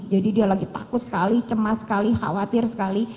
jadi dia lagi takut sekali cemas sekali khawatir sekali